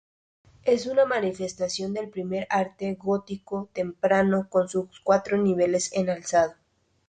Es una manifestación del primer arte gótico temprano con sus cuatro niveles en alzado.